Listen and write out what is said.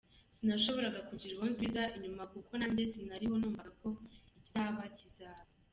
Sinashoboraga kugira uwo nsubiza inyuma kuko nanjye sinariho numvaga ko ikizaba kizaba.